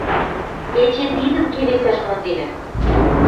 Эче тидӹм келесӓш монденӓм: